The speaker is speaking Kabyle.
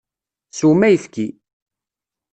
Swem ayefki!